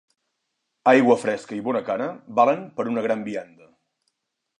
Aigua fresca i bona cara valen per una gran vianda.